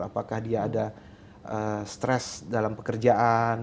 apakah dia ada stres dalam pekerjaan